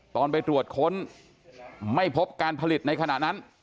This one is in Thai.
ตอนไปตรวจค้นไม่พบการผลิตในขณะนั้น